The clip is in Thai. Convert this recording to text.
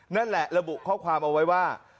นั่นแหละระบุข้อความเอาไว้ว่า